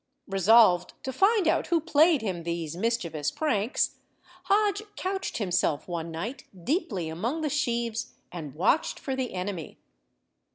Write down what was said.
Resolved to find out who played him these mischievous pranks, Hodge couched himself one night deeply among the sheaves, and watched for the enemy.